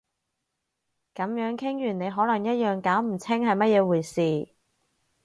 噉樣傾完你可能一樣搞唔清係乜嘢回事